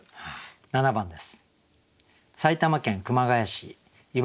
７番です。